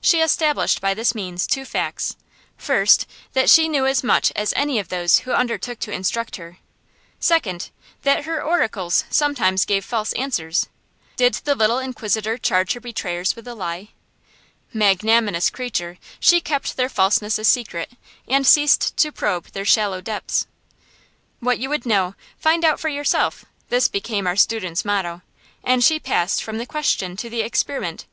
She established by this means two facts: first, that she knew as much as any of those who undertook to instruct her; second, that her oracles sometimes gave false answers. Did the little inquisitor charge her betrayers with the lie? Magnanimous creature, she kept their falseness a secret, and ceased to probe their shallow depths. What you would know, find out for yourself: this became our student's motto; and she passed from the question to the experiment.